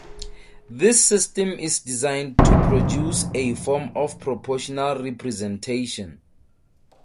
This system is designed to produce a form of proportional representation.